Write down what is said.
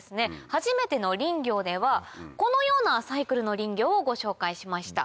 「はじめての林業」ではこのようなサイクルの林業をご紹介しました。